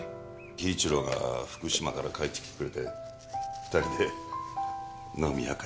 輝一郎が福島から帰ってきてくれて２人で飲み明かしました。